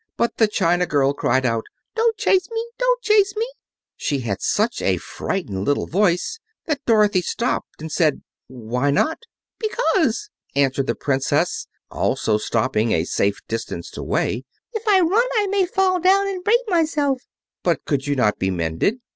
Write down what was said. But the china girl cried out: "Don't chase me! Don't chase me!" She had such a frightened little voice that Dorothy stopped and said, "Why not?" "Because," answered the Princess, also stopping, a safe distance away, "if I run I may fall down and break myself." "But could you not be mended?"